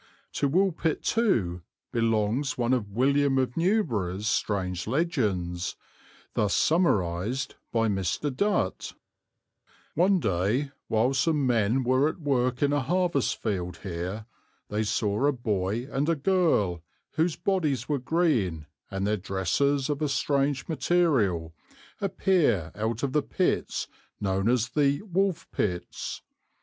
To Woolpit, too, belongs one of William of Newburgh's strange legends, thus summarized by Mr. Dutt: "One day, while some men were at work in a harvest field here, they saw a boy and a girl, whose bodies were green and their dresses of a strange material, appear out of the pits known as the 'Wolfpittes.'